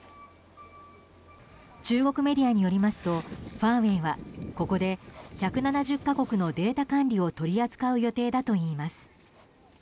中国メディアによりますとファーウェイはここで１７０か国のデータ管理を取り扱う予定だといいます。